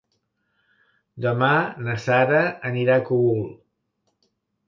Demà na Sara anirà al Cogul.